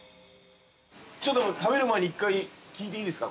◆ちょっと待って、食べる前に一回聞いていいですか。